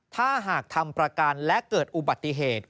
ถ้าหากทำประกันและเกิดอุบัติเหตุ